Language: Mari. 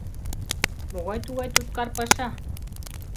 — Могай-тугай туткар паша?